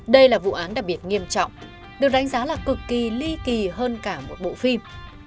đây là vụ án đặc biệt nghiêm trọng được đánh giá là cực kỳ ly kỳ hơn cả một bộ phim